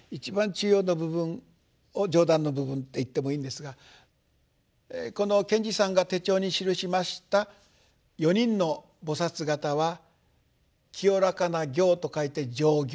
中央の部分上段の部分って言ってもいいんですがこの賢治さんが手帳に記しました４人の菩薩方は浄らかな行と書いて「浄行」。